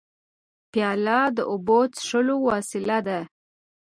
پیاله د اوبو د څښلو وسیله ده.